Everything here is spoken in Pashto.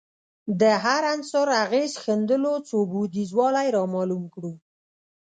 د هر عنصر اغېز ښندلو څو بعدیزوالی رامعلوم کړو